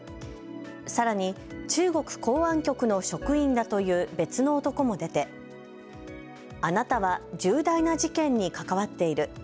さらに中国公安局の職員だという別の男も出て、あなたは重大な事件に関わっている。